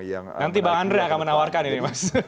nanti bang andre akan menawarkan ini mas